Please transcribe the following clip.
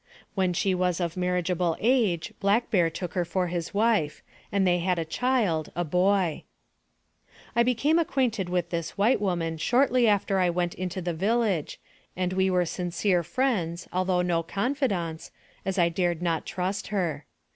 When she was of marriageable age, Black Bear took her for his wife, and they had a child, a boy. I became acquainted with this white woman shortly after I went into the village, and we were sincere friends, although no confidants, as I dared not trust her.